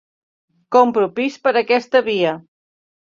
Compro pis per aquesta via.